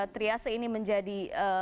triasel ini menjadi